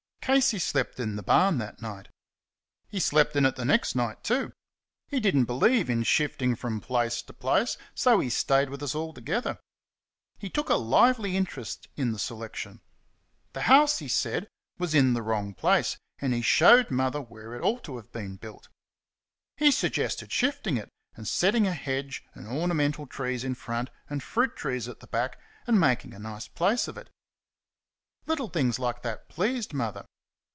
Casey slept in the barn that night. He slept in it the next night, too. He did n't believe in shifting from place to place, so he stayed with us altogether. He took a lively interest in the selection. The house, he said, was in the wrong place, and he showed Mother where it ought to have been built. He suggested shifting it, and setting a hedge and ornamental trees in front and fruit trees at the back, and making a nice place of it. Little things like that pleased Mother.